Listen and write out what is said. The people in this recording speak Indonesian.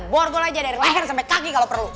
borgo aja dari leher sampe kaki kalau perlu